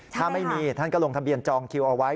ถ้าไม่มีท่านก็ลงทะเบียนจองคิวเอาไว้